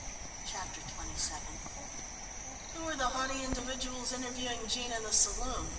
Chapter XXVII "Who were the haughty individuals interviewing Jean in the saloon?"